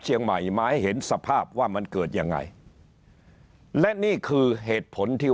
เชียงใหม่มาให้เห็นสภาพว่ามันเกิดยังไงและนี่คือเหตุผลที่